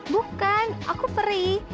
bukan aku peri